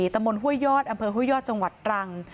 ตำบลห้วยยอดอำเภอห้วยยอดจังหวัดตรัง